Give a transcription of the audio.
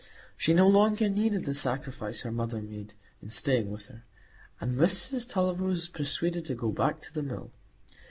She no longer needed the sacrifice her mother made in staying with her, and Mrs Tulliver was persuaded to go back to the Mill.